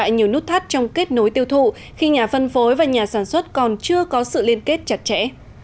nhiều nút thắt trong kết nối tiêu thụ khi nhà phân phối và nhà sản xuất còn chưa có sự liên kết chặt chẽ